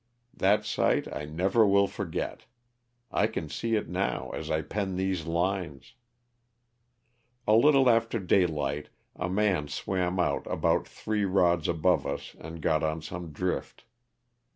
That sight I never will forget. I can see it now as I pen these lines. A little after daylight a man swam out about three rods above us and got on some drift.